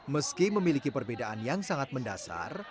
meski memiliki perbedaan yang sangat mendasar